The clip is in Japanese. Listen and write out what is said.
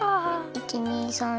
１２３４。